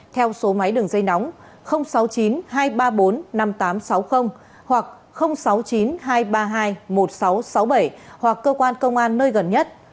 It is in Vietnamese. theo số máy đường dây nóng sáu mươi chín hai trăm ba mươi bốn năm nghìn tám trăm sáu mươi hoặc sáu mươi chín hai trăm ba mươi hai một nghìn sáu trăm sáu mươi bảy hoặc cơ quan công an nơi gần nhất